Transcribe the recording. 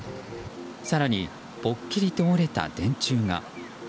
更にぽっきりと折れた電柱が。